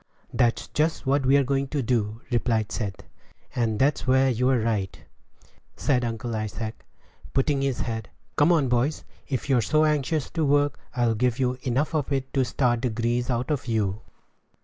"That's just what we're going to do," replied Seth. "And that's where you're right," said Uncle Isaac, putting on his hat. "Come on, boys; if you're so anxious to work, I'll give you enough of it to start the grease out of you."